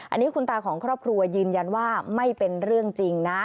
อันนี้คุณตาของครอบครัวยืนยันว่าไม่เป็นเรื่องจริงนะ